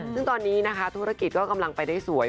ซึ่งตอนนี้นะคะธุรกิจก็กำลังไปได้สวย